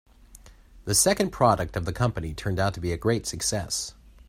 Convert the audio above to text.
The second product of the company turned out to be a great success.